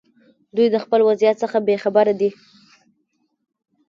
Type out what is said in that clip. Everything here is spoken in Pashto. دوی د خپل وضعیت څخه بې خبره دي.